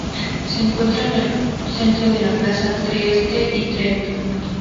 Se encuentra en el centro de la Plaza Trieste y Trento.